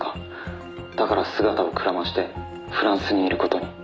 「だから姿をくらましてフランスにいる事に」